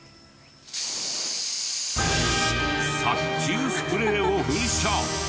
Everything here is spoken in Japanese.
殺虫スプレーを噴射！